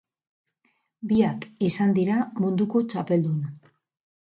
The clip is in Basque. Biak izan dira munduko txapeldun.